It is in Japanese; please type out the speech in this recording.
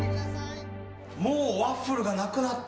もうワッフルがなくなった。